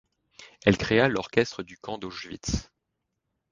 Elle créa l'orchestre du camp d'Auschwitz.